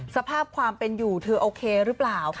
สภาพความเป็นอยู่เธอโอเคหรือเปล่า